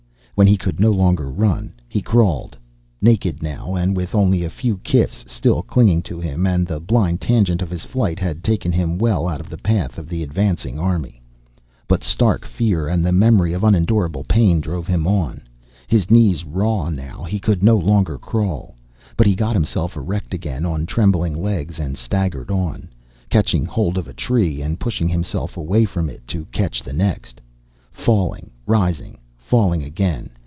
When he could no longer run, he crawled. Naked, now, and with only a few kifs still clinging to him. And the blind tangent of his flight had taken him well out of the path of the advancing army. But stark fear and the memory of unendurable pain drove him on. His knees raw now, he could no longer crawl. But he got himself erect again on trembling legs, and staggered on. Catching hold of a tree and pushing himself away from it to catch the next. Falling, rising, falling again.